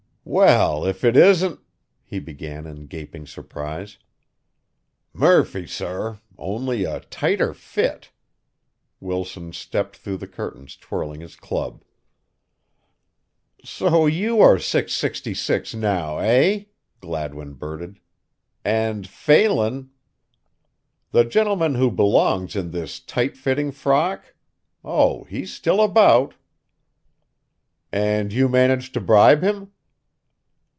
"Well, if it isn't" he began in gaping surprise. "Murphy, sorr, only a tighter fit." Wilson stepped through the curtains twirling his club. "So you are 666 now, eh?" Gladwin blurted. "And Phelan" "The gentleman who belongs in this tight fitting frock? Oh, he's still about." "And you managed to bribe him?"